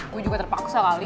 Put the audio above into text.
gua juga terpaksa kali